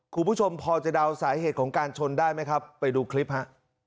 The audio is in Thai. คุณผู้ชมพอจะเดาสาเหตุของการชนได้ไหมครับไปดูคลิปฮะ